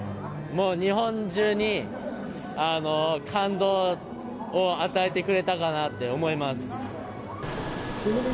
もう日本中に、感動を与えてくれたかなって思います。